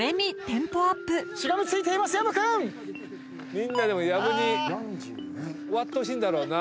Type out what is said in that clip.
みんなでも薮に終わってほしいんだろうな。